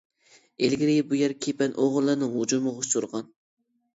ئىلگىرى بۇ يەر كېپەن ئوغرىلىرىنىڭ ھۇجۇمىغا ئۇچرىغان.